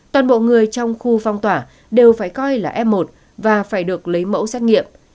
toàn bộ người trong khu phong tỏa đều phải coi là f một và phải được lấy mẫu xét nghiệm